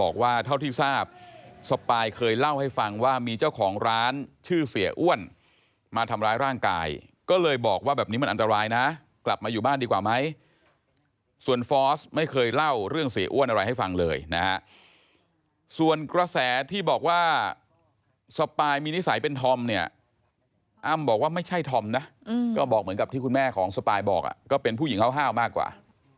บอกว่าแบบนี้มันอันตรายนะกลับมาอยู่บ้านดีกว่าไหมส่วนฟอสไม่เคยเล่าเรื่องเสียอ้วนอะไรให้ฟังเลยนะส่วนกระแสที่บอกว่าสปายมีนิสัยเป็นธอมเนี่ยอ้ำบอกว่าไม่ใช่ธอมนะก็บอกเหมือนกับที่คุณแม่ของสปายบอกก็เป็นผู้หญิงเห่ามากกว่า